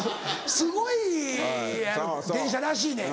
すごい電車らしいねん。